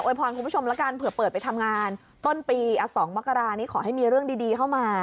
คุณผู้ชมละกันเผื่อเปิดไปทำงานต้นปี๒มกรานี้ขอให้มีเรื่องดีเข้ามา